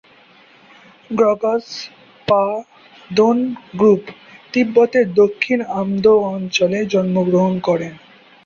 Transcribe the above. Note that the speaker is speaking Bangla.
গ্রাগ্স-পা-দোন-গ্রুব তিব্বতের দক্ষিণ আমদো অঞ্চলে জন্মগ্রহণ করেন।